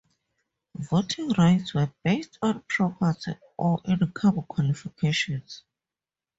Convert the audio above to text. Voting rights were based on property or income qualifications.